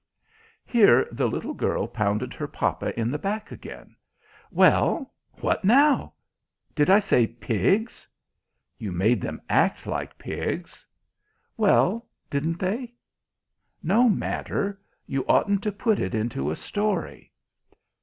Here the little girl pounded her papa in the back, again. "Well, what now? Did I say pigs?" "You made them act like pigs." "Well, didn't they?" "No matter; you oughtn't to put it into a story."